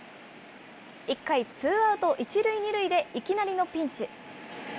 １回ツーアウト１塁２塁でいきなりのピンチ。